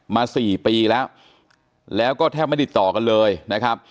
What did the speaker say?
มา๔ปีแล้วแล้วก็แทบไม่ติดต่อกันเลยนะครับ